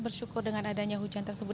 bersyukur dengan adanya hujan tersebut